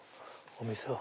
お店は。